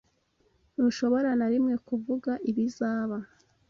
Ntushobora na rimwe kuvuga ibizaba.